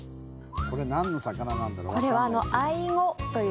これなんの魚なんだろう。